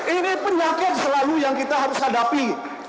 ini penyakit selalu yang kita harus hadapi